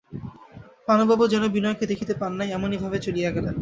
পানুবাবু যেন বিনয়কে দেখিতে পান নাই এমনি ভাবে চলিয়া গেলেন।